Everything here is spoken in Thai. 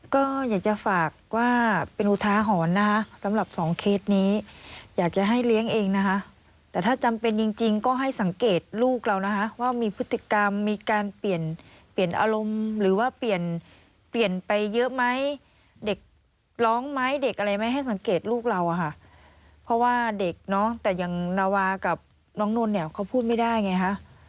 ก็อยากจะฝากว่าเป็นอุทาหรณ์นะคะสำหรับสองเคสนี้อยากจะให้เลี้ยงเองนะคะแต่ถ้าจำเป็นจริงก็ให้สังเกตลูกเรานะคะว่ามีพฤติกรรมมีการเปลี่ยนเปลี่ยนอารมณ์หรือว่าเปลี่ยนเปลี่ยนไปเยอะไหมเด็กร้องไหมเด็กอะไรไหมให้สังเกตลูกเราอะค่ะเพราะว่าเด็กเนาะแต่อย่างนาวากับน้องนนท์เนี่ยเขาพูดไม่ได้ไงคะ